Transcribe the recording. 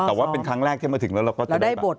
แต่ว่าเป็นครั้งแรกที่มาถึงแล้วเราก็จะได้แบบ